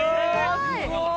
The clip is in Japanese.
すごい！